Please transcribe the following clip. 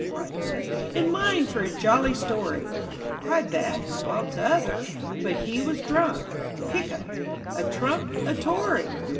" cried This, " And mine for your jolly story !" Cried That, while T'other — but he was drunk — Hiccupped " A trump, a Tory